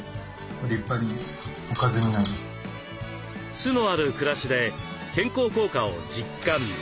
酢のある暮らしで健康効果を実感。